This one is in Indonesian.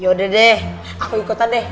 yaudah deh aku ikutan deh